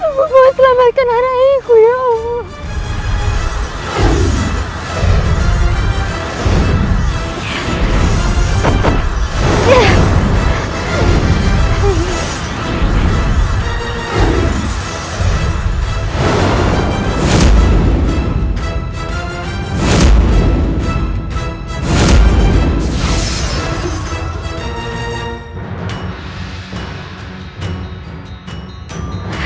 ambo mohon selamatkan anakiku ya allah